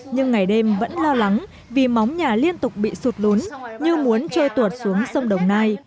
nhưng ngày đêm vẫn lo lắng vì móng nhà liên tục bị sụt lún như muốn trôi tuột xuống sông đồng nai